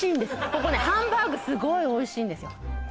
ここねハンバーグすごいおいしいんですよ